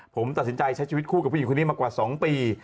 ผมตัดสินใจใช้ชีวิตคู่กับผู้หญิงคนนี้มากว่า๒ปี